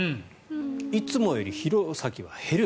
いつもより弘前は減る。